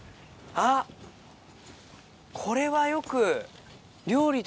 あっこれはよく。